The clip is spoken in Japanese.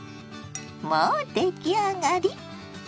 もう出来上がり。